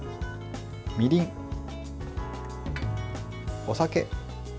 みりん、お酒。